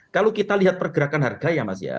kalau kita lihat pergerakan harga ya mas ya